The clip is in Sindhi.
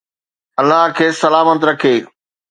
الله کيس سلامت رکي.